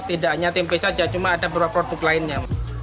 tidak hanya tempe saja cuma ada beberapa produk lainnya